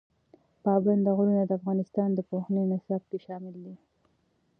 پابندی غرونه د افغانستان د پوهنې نصاب کې شامل دي.